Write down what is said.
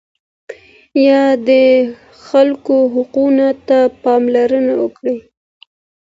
يا د خلکو حقوقو ته پاملرنه کوي،